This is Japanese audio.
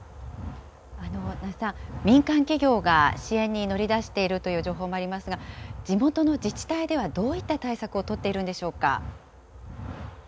奈須さん、民間企業が支援に乗り出しているという情報もありますが、地元の自治体ではどういった対策を取っているんでしょうか。